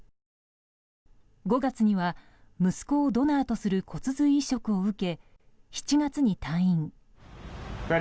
５月には、息子をドナーとする骨髄移植を受け７月に退院。